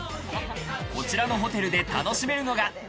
こちらのホテルで楽しめるのが。